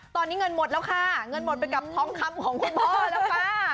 ตอนนี้เงินหมดแล้วค่ะเงินหมดไปกับทองคำของคุณพ่อแล้วค่ะ